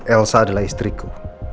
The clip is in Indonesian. elsa adalah istriku